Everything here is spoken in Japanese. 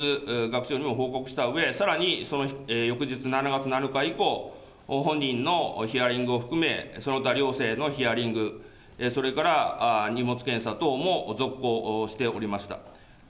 これについては翌日、学長にも報告したうえ、さらにその翌日７月７日以降、本人のヒアリングを含め、その他寮生のヒアリング、それから荷物検査等も続行しておりました。